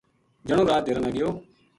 جنو رات ڈیرا نا گیو